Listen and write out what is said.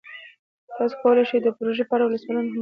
تاسو کولی شئ د پروژې په اړه سوالونه هم مطرح کړئ.